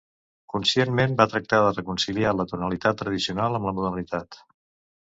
Conscientment va tractar de reconciliar la tonalitat tradicional amb la modernitat.